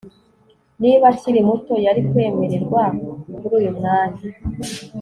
niba akiri muto, yari kwemererwa kuri uyu mwanya